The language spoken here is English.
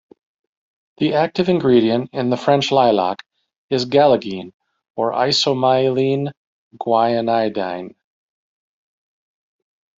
The active ingredient in the French lilac is galegine or isoamylene guanidine.